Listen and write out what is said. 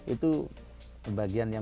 itu bagian yang